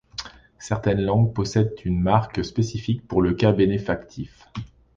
Certaines langues possèdent une marque spécifique pour le cas bénéfactif.